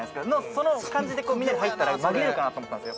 その感じでみんなで入ったら紛れるかなと思ったんですよ